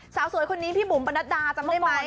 เชาสวยคนนี้พี่บุ๋มปราณดาทรัพย์ได้มั้ย